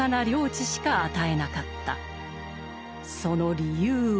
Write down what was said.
その理由は。